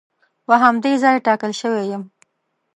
په همدې ځای ټاکل شوی یم.